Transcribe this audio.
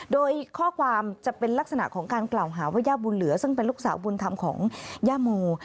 โดยข้อความจะเป็นลักษณะของการกล่าวหาว่าย่าบุญเหลือซึ่งเป็นลูกสาวบุญธรรมของย่าโม